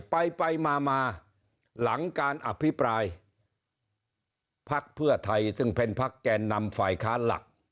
ไปไปมาหลังการอภิปรายภักดิ์เพื่อไทยซึ่งเป็นพักแกนนำฝ่ายค้านหลัก